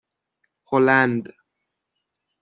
هلند